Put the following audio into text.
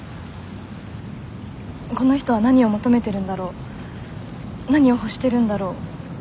この人は何を求めてるんだろう何を欲してるんだろう。